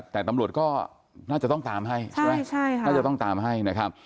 แต่ตำรวจก็น่าจะต้องตามให้